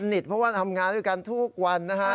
สนิทเพราะว่าทำงานด้วยกันทุกวันนะครับ